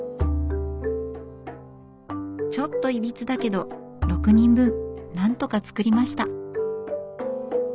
ちょっといびつだけど６人分なんとか作りました。